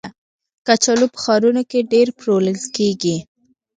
کچالو په ښارونو کې ډېر پلورل کېږي